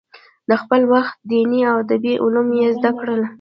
د خپل وخت دیني او ادبي علوم یې زده کړل.